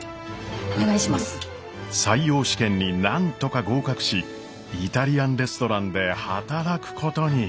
採用試験になんとか合格しイタリアンレストランで働くことに。